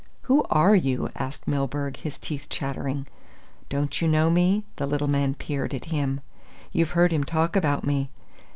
"Who are you?" asked Milburgh, his teeth chattering. "Don't you know me?" The little man peered at him. "You've heard him talk about me.